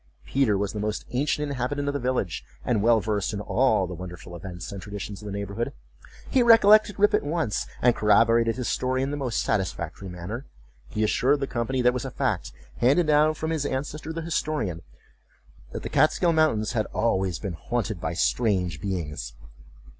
Peter was the most ancient inhabitant of the village, and well versed in all the wonderful events and traditions of the neighborhood. He recollected Rip at once, and corroborated his story in the most satisfactory manner. He assured the company that it was a fact, handed down from his ancestor the historian, that the Kaatskill mountains had always been haunted by strange beings.